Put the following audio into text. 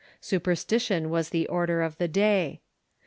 Superstition was the order of the day.